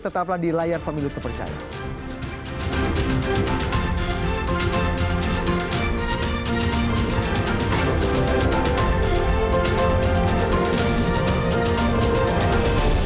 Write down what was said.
tetaplah di layar pemilu terpercaya